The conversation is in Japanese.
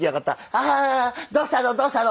ハハどうしたのどうしたの？